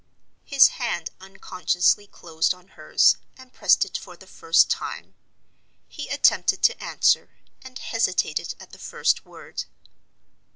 His hand unconsciously closed on hers, and pressed it for the first time. He attempted to answer, and hesitated at the first word.